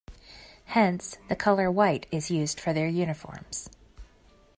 Hence, the color white is used for their uniforms.